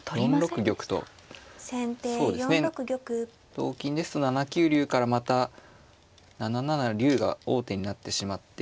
同金ですと７九竜からまた７七竜が王手になってしまって。